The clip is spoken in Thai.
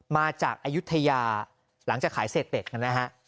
มาจากอายุทยาหลังจากขายเศษเป็ดนะฮะ